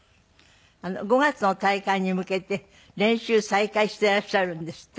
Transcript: ５月の大会に向けて練習再開していらっしゃるんですって。